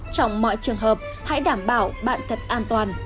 trong mọi trường hợp hãy đảm bảo bạn thật an toàn